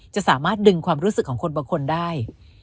จะสามารถดึงความรู้สึกของคนบางคนได้